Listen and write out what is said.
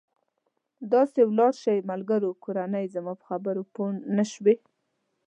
داسې ولاړ شئ، ملګري، کورنۍ، زما په خبرو پوه نه شوې.